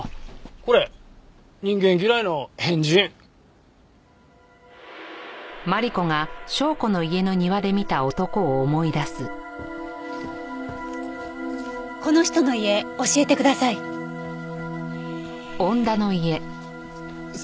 この人の家教えてください。